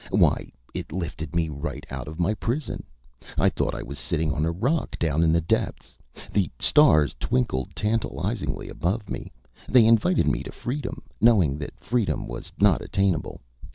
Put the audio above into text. Why, it lifted me right out of my prison. I thought I was sitting on a rock down in the depths. The stars twinkled tantalizingly above me. They invited me to freedom, knowing that freedom was not attainable.